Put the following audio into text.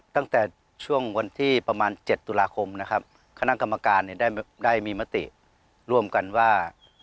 ตั้งแต่ช่วงวันที่ประมาณ๗ตุลาคมนะครับคณะกรรมการเนี่ยได้มีมติร่วมกันว่า